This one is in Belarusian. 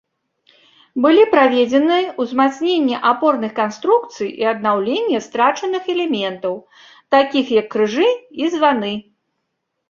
Былі праведзены ўзмацненне апорных канструкцый і аднаўленне страчаных элементаў, такіх як крыжы і званы.